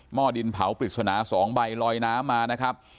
้อดินเผาปริศนา๒ใบลอยน้ำมานะครับ